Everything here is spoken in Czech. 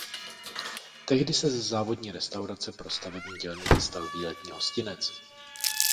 Tehdy se ze závodní restaurace pro stavební dělníky stal výletní hostinec.